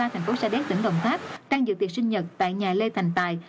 thành phố sa đéc tỉnh đồng tháp đang dự tiệt sinh nhật tại nhà lê thành tài